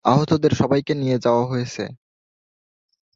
আহতদের সবাইকে নিয়ে যাওয়া হয়েছে।